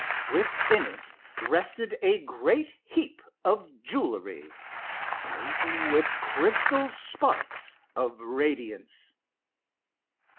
Within it rested a great heap of jewelry, blazing with crystal sparks of radiance.